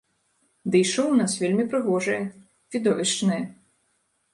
Дый шоў у нас вельмі прыгожае, відовішчнае.